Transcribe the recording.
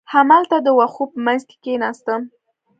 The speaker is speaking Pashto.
همالته د وښو په منځ کې کېناستم.